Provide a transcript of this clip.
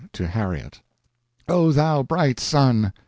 TO HARRIET "O thou bright Sun!